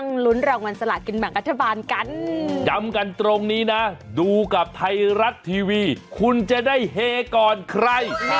ขอเลือกมันแบบแรกได้ไหม